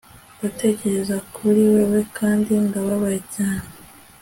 ndatekereza kuri wewe kandi ndababaye cyane